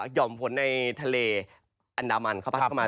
่อมฝนในทะเลอันดามันเขาพัดเข้ามา